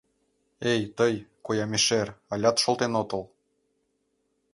— Эй, тый, коя мешер, алят шолтен отыл!